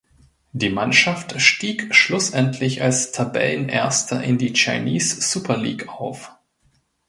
Die Mannschaft stieg schlussendlich als Tabellenerster in die Chinese Super League auf.